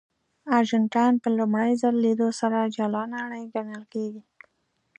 ارجنټاین په لومړي ځل لیدو سره جلا نړۍ ګڼل کېږي.